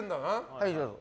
はい、どうぞ。